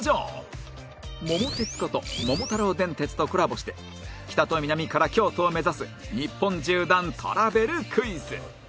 「桃鉄」こと『桃太郎電鉄』とコラボして北と南から京都を目指す日本縦断トラベルクイズ